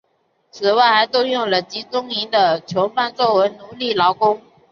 此外还动用了集中营的囚犯作为奴隶劳工。